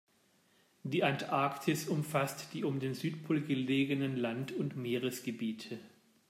Die Antarktis umfasst die um den Südpol gelegenen Land- und Meeresgebiete.